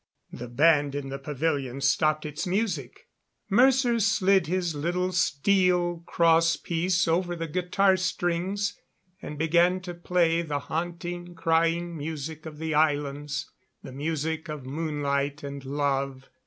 The band in the pavilion stopped its music. Mercer slid his little steel cross piece over the guitar strings and began to play the haunting, crying music of the islands, the music of moonlight and love.